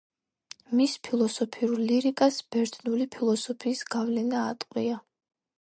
მის ფილოსოფიურ ლირიკას ბერძნული ფილოსოფიის გავლენა ატყვია.